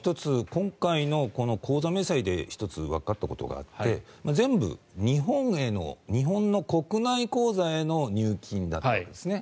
今回のこの口座明細で１つわかったことがあって全部、日本への日本の国内口座への入金だったんですね。